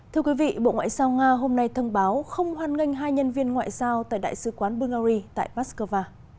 thưa quý vị bộ ngoại giao nga hôm nay thông báo không hoan nghênh hai nhân viên ngoại giao tại đại sứ quán bungary tại moscow